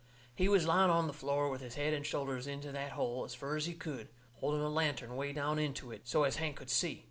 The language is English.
He was lying on the floor with his head and shoulders into that hole as fur as he could, holding a lantern way down into it, so as Hank could see.